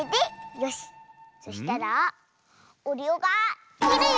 そしたらおるよがきるよ！